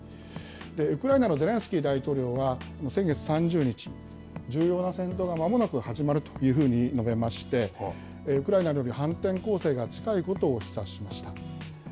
ウクライナのゼレンスキー大統領は、先月３０日、重要な戦闘がまもなく始まるというふうに述べまして、ウクライナによる反転攻勢が近いことを示唆しました。